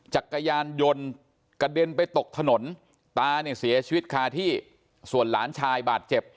จักรยานยนต์กระเด็นไปตกถนนตาเนี่ยเสียชีวิตคาที่ส่วนหลานชายบาดเจ็บ